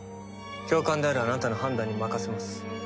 教官であるあなたの判断に任せます。